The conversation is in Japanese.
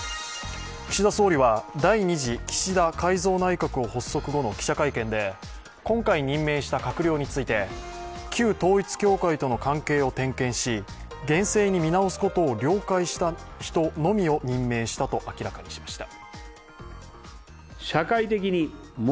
岸田総理は、第２次岸田改造内閣後の記者会見で、今回任命した閣僚について旧統一教会との関係を点検し厳正に見直すことを了解した人のみを任命したと明らかにしました。